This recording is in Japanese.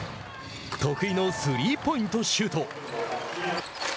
得意のスリーポイントシュート。